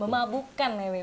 memabukan ya bip ya